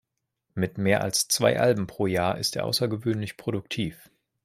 Mit mehr als zwei Alben pro Jahr ist er außergewöhnlich produktiv.